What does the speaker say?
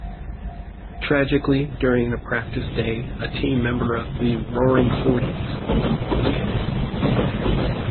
Tragically during a practice day a team member of the "Roaring Forties" was killed.